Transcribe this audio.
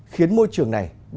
khiến môi trường này